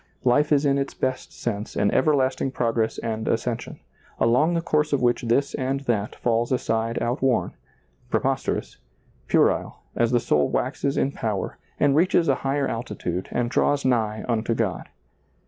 Life is in its best sense an everlasting progress and ascension, along the course of which this and that falls aside outworn, preposterous, puerile, as the soul waxes in power and reaches a higher altitude and draws nigh unto God.